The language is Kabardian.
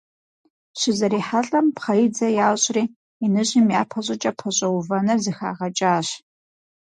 ЩызэрихьэлӀэм, пхъэидзэ ящӀри, иныжьым япэ щӀыкӀэ пэщӀэувэныр зэхагъэкӀащ.